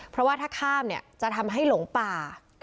เพราะว่าถ้าข้ามเนี่ยจะทำให้หลงป่า